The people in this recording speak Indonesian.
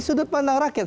sudut pandang rakyat